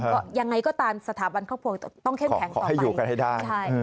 ก็ยังไงก็ตามสถาบันครอบครัวต้องเข้มแข็งขอให้อยู่กันให้ได้